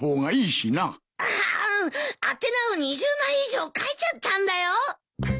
ああ宛名を２０枚以上書いちゃったんだよ？